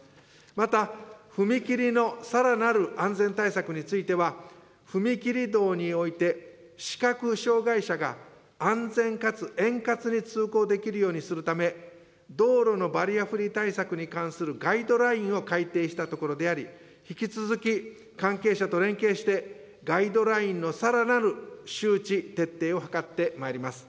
また、踏切のさらなる安全対策については、踏切道において、視覚障害者が安全かつ円滑に通行できるようにするため、道路のバリアフリー対策に関するガイドラインを改定したところであり、引き続き関係者と連携して、ガイドラインのさらなる周知、徹底を図ってまいります。